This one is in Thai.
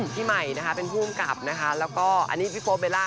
พี่ใหม่นะคะเป็นผู้กำกับนะคะแล้วก็อันนี้พี่โป๊เบลล่า